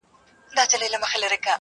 له ډيره وخته مو لېږلي دي خوبو ته زړونه.